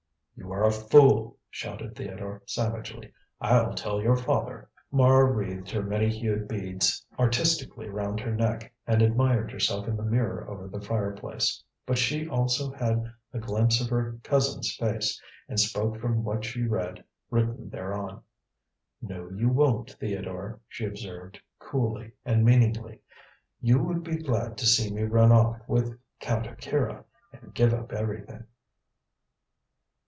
"You are a fool," shouted Theodore, savagely. "I'll tell your father." Mara wreathed her many hued beads artistically round her neck and admired herself in the mirror over the fireplace. But she also had a glimpse of her cousin's face, and spoke from what she read written thereon. "No, you won't, Theodore," she observed, coolly, and meaningly; "you would be glad to see me run off with Count Akira and give up everything."